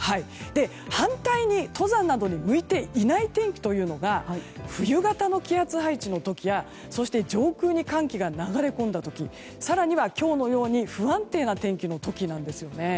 反対に、登山などに向いていない天気というのが冬型の気圧配置の時や上空に寒気が流れ込んだ時更には今日のように不安定な天気の時なんですよね。